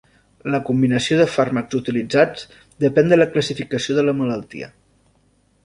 La combinació de fàrmacs utilitzats depèn de la classificació de la malaltia.